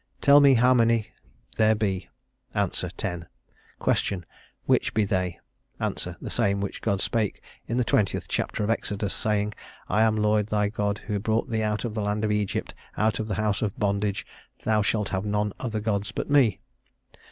Tell me how many there be? Ans. Ten. Ques. Which be they? Ans. The same which God spake in the twentieth chapter of Exodus, saying, I am the Lord thy God, who brought thee out of the land of Egypt, out of the house of bondage. Thou shalt have none other gods but me."